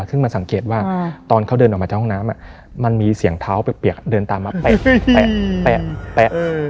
ซึ่งมันสังเกตว่าตอนเขาเดินออกมาจากห้องน้ำมันมีเสียงเท้าเปียกเดินตามมาแปะ